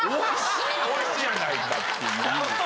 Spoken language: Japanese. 美味しいんじゃないかっていう。